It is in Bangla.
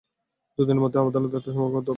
দুই দিনের মধ্যে তাকে আদালতে আত্মসমর্পণ করতে হবে।